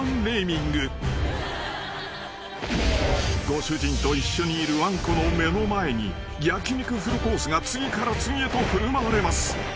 ［ご主人と一緒にいるわんこの目の前に焼き肉フルコースが次から次へと振る舞われます］